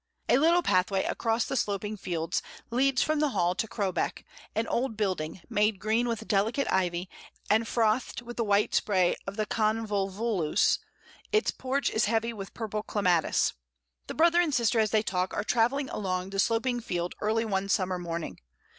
A little pathway across the sloping fields leads from the Hall to Crowbeck — an old building, made green with delicate ivy and frothed with the white spray of the convolvulus; its porch is heavy with purple clematis. The brother and sister as they talk are travelling along the sloping field early one summer morning.